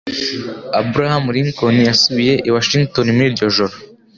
Abraham Lincoln yasubiye i Washington muri iryo joro.